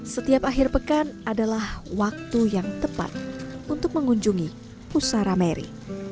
setiap akhir pekan adalah waktu yang tepat untuk mengunjungi pusara mary